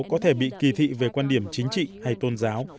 có thể bị kỳ thị về quan điểm chính trị hay tôn giáo